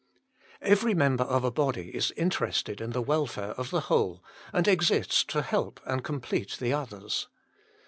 Every member of a body is interested in the welfare of the whole, and exists to help and complete the others.